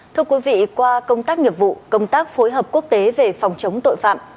thưa quý vị qua công tác nghiệp vụ công tác phối hợp quốc tế về phòng chống tội phạm